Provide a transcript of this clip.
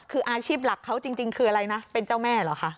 คืออาชีพหลักเขาจริงคืออะไรนะเป็นเจ้าแม่เหรอคะ